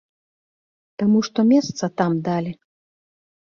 Таму што месца там далі.